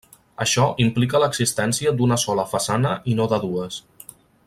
Això implica l'existència d'una sola façana i no de dues.